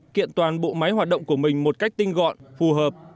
kiện toàn bộ máy hoạt động của mình một cách tinh gọn phù hợp